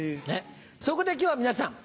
そこで今日は皆さん